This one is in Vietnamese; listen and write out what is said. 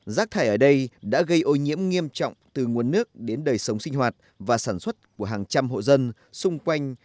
rác thải ở đây đã gây ô nhiễm nghiêm trọng từ nguồn nước đến đời sống sinh hoạt và sản xuất của hàng trăm hộ dân xung quanh